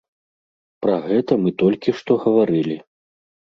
Пра гэта мы толькі што гаварылі.